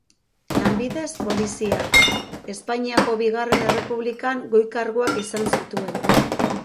Lanbidez polizia, Espainiako Bigarren Errepublikan goi karguak izan zituen.